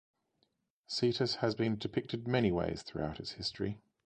Cetus has been depicted many ways throughout its history.